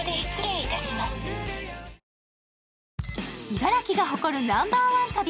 茨城が誇るナンバーワン旅。